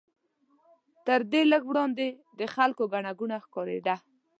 تر دې لږ وړاندې د خلکو ګڼه ګوڼه ښکارېده.